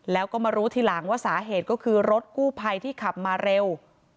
แล้วก็มารู้ทีหลังว่าสาเหตุก็คือรถกู้ภัยที่ขับมาเร็ว